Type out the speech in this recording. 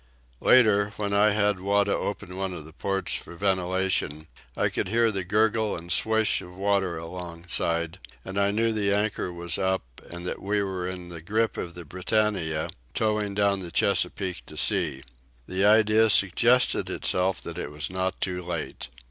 Later, when I had Wada open one of the ports for ventilation, I could hear the gurgle and swish of water alongside, and I knew the anchor was up and that we were in the grip of the Britannia, towing down the Chesapeake to sea. The idea suggested itself that it was not too late.